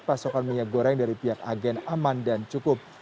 pasokan minyak goreng dari pihak agen aman dan cukup